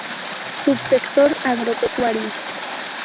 Subsector Agropecuario.